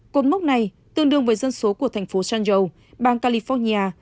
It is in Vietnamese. cột mốc này tương đương với dân số của thành phố san joe bang california